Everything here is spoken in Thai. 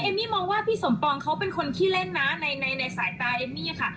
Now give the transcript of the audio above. มี่มองว่าพี่สมปองเขาเป็นคนขี้เล่นนะในสายตาเอมมี่ค่ะ